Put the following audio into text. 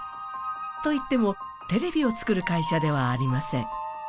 といっても、テレビを作る会社ではありません。